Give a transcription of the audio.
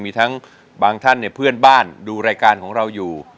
มีทั้งบางท่านเนี่ยเพื่อนบ้านดูรายการของเราอยู่